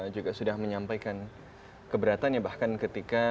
juga sudah menyampaikan keberatannya bahkan ketika